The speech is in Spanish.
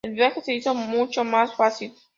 El viaje se hizo mucho más fácil.